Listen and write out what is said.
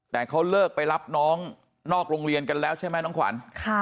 แต่เขาเลิกไปรับน้องนอกโรงเรียนกันแล้วใช่ไหมน้องขวัญ